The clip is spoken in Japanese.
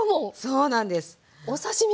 そうなんです。